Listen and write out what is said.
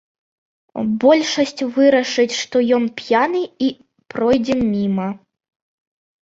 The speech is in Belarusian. Большасць вырашыць, што ён п'яны, і пройдзе міма.